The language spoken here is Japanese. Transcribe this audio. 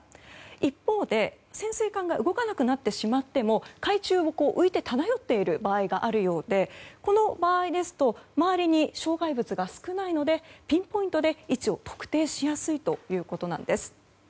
一方、潜水艦が動かなくなってしまっても海中を浮いて漂っている場合があるようでこの場合ですと周りに障害物が少ないのでピンポイントで位置を特定しやすいということです。